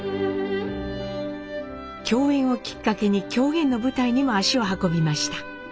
共演をきっかけに狂言の舞台にも足を運びました。